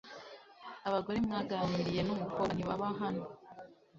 Abagore mwaganiriye numukobwa ntibaba hano.